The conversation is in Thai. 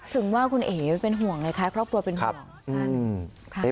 ถึงว่าคุณเอ๋เป็นห่วงเลยค่ะครอบครัวเป็นห่วง